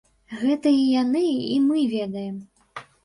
Гэта і яны, і мы ведаем.